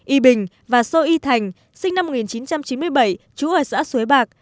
y bình và sơ y thành sinh năm một nghìn chín trăm chín mươi bảy trú ở xã suối bạc